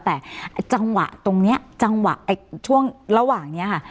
แต่จังหวะตรงนี้จังหวะช่วงระหว่างนี้ค่ะ